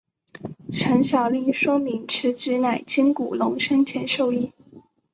陈晓林说明此举乃经古龙生前授意。